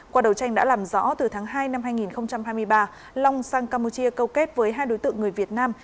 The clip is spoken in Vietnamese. qua đầu tranh đã làm rõ từ tháng hai năm hai nghìn hai mươi ba long sang campuchia câu kết với hai đối tượng người việt nam